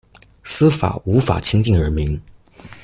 司法無法親近人民